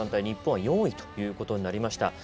日本は４位ということになりました。